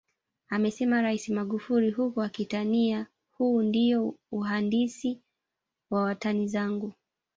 Amesema Rais Magufuli huku akitania huu ndiyo uhandisi wa watani zangu